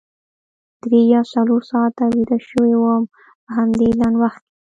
درې یا څلور ساعته ویده شوې وم په همدې لنډ وخت کې.